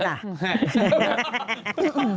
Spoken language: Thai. แม่น่ะ